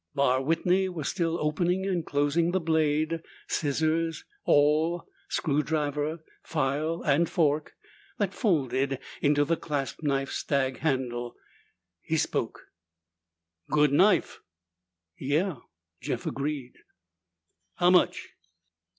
Barr Whitney was still opening and closing the blade, scissors, awl, screwdriver, file, and fork that folded into the clasp knife's stag handle. He spoke, "Good knife." "Yeah," Jeff agreed. "How much?"